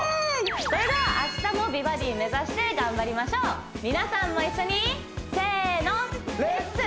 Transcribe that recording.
それでは明日も美バディ目指して頑張りましょう皆さんも一緒にせーのレッツ！